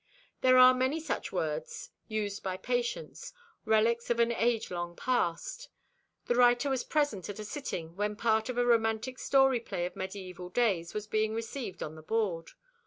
There are many such words used by Patience—relics of an age long past. The writer was present at a sitting when part of a romantic story play of medieval days was being received on the board.